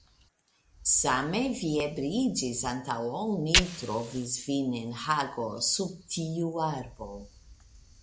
Same vi ebriiĝis antaŭ ol mi trovis vin en Hago sub tiu arbo.